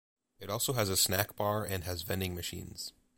It also has a snack bar and has vending machines.